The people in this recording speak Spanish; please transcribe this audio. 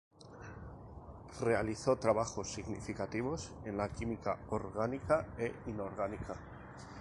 Realizó trabajos significativos en la química orgánica e inorgánica.